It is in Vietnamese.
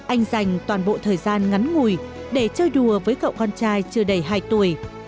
anh dành toàn bộ thời gian ngắn ngủi để chơi đùa với cậu con trai chưa đầy hai tuổi